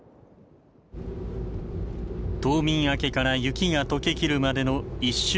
冬眠明けから雪が解け切るまでの１週間。